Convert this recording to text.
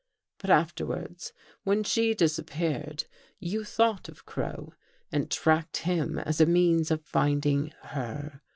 " But afterwards, when she disappeared, you thought of Crow and tracked him as a means of finding her.